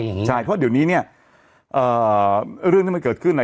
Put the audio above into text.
อย่างนี้ใช่เพราะเดี๋ยวนี้เนี่ยเอ่อเรื่องที่มันเกิดขึ้นอ่ะ